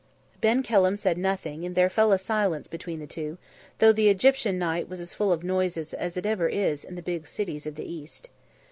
Ben Kelham said nothing, and there fell a silence between the two, though the Egyptian night was as full of noise as it ever is in the big cities of the East.